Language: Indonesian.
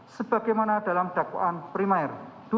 sebagaimana dalam dakwaan primair